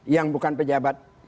yang bukan pejabat